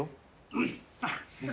うん！